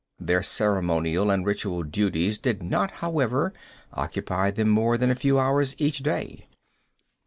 Their ceremonial and ritual duties did not, however, occupy them more than a few hours each day.